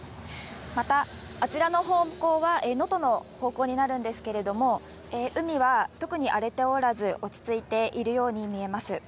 また、あちらの方向は、能登の方向になるんですけれども、海は特に荒れておらず、落ち着いているように見えます。